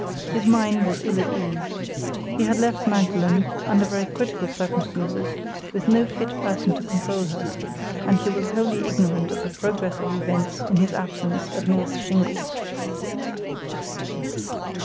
His mind was ill at ease. He had left Magdalen, under very critical circumstances, with no fit person to control her, and he was wholly ignorant of the progress of events in his absence at North Shingles.